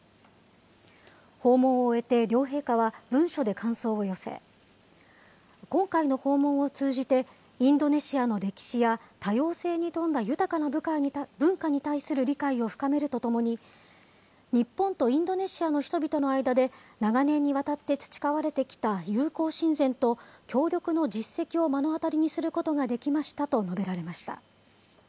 訪問を終えて両陛下は文書で感想を寄せ、今回の訪問を通じて、インドネシアの歴史や多様性に富んだ豊かな文化に対する理解を深めるとともに、日本とインドネシアの人々の間で、長年にわたって培われてきた友好親善と協力の実績を目の当たりにすることができましたと述べられました。